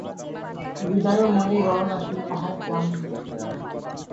হৃদয় ও মনের গড়ন আসলে তাহার গ্রাম্য।